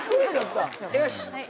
よし！